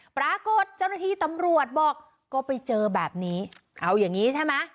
ปรากฏเจ้าหน้าที่ตำรวจบอกก็ไปเจอแบบนี้เอาอย่างงี้ใช่ไหม